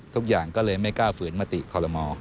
ทุกอย่างก็เลยไม่กล้าฝืนมติคอลโลมอ